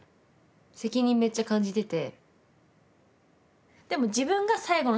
責任めっちゃ感じてて。